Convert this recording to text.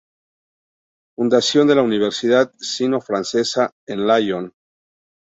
Fundación de la Universidad Sino Francesa en Lyon.